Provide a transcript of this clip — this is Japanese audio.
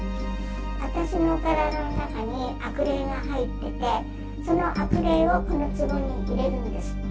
私の体の中に悪霊が入ってて、その悪霊をこのつぼに入れるんです